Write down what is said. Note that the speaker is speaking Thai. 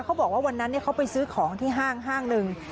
เขาบอกว่าวันนั้นเขาไปซื้อของที่ห้างหนึ่ง